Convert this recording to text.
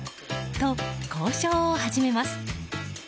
と、交渉を始めます。